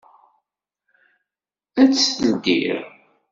Ad tt-ldiɣ.